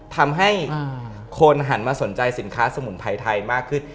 ทำให้คนหันมาสนใจสินค้าสมุนไพรไทยมากขึ้น